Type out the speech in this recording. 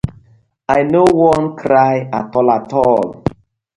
I no won cry atol atol.